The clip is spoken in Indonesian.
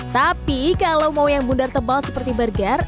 tapi kalau mau yang bundar tebal seperti burger